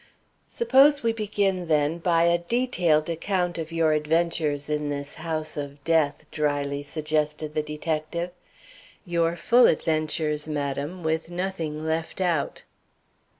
"Suppose we begin, then, by a detailed account of your adventures in this house of death," dryly suggested the detective. "Your full adventures, madam, with nothing left out."